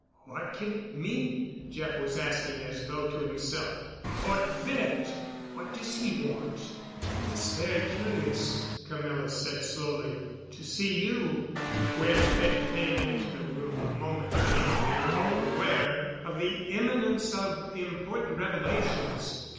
"What can it mean?" Jeff was asking as though to himself. "Cort Bent! What does he want?" "It's very curious," Camilla said slowly. "To see you——" When Bent came into the room a moment later they were both aware of the imminence of important revelations.